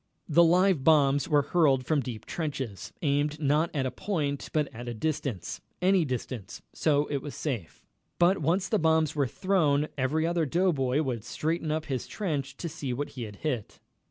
The live bombs were hurled from deep trenches, aimed not at a point, but at a distance any distance, so it was safe. But once the bombs were thrown, every other doughboy would straighten up in his trench to see what he had hit.